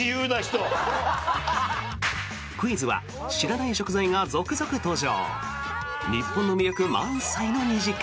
クイズは知らない食材が続々登場！